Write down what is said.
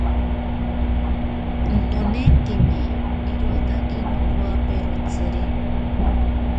Nonintemi irotaki nokowaperotsiri.